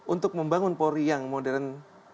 untuk membangun polri yang modern